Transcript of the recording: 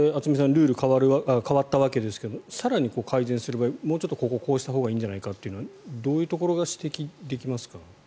ルールが変わったわけですが更に改善する場合はもうちょっとここをこうしたほうがいいんじゃないかとかどういうところが指摘できますか？